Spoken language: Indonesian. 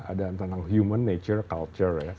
ada tentang human nature culture ya